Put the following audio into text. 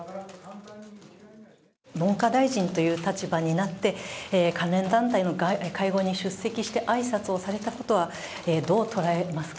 文科大臣という立場になって、関連団体の会合に出席して挨拶をされたことはどう捉えますか？